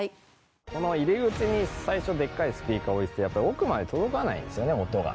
この入り口に最初でっかいスピーカーを置いててやっぱり奥まで届かないんですよね音が。